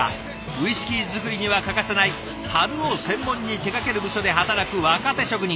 ウイスキーづくりには欠かせない樽を専門に手がける部署で働く若手職人